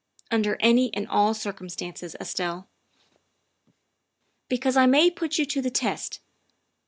" Under any and all circumstances, Estelle." " Because I may put you to the test.